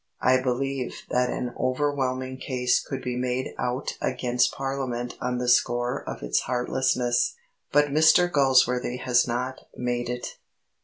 I believe that an overwhelming case could be made out against Parliament on the score of its heartlessness, but Mr Galsworthy has not made it.